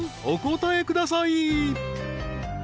お答えください］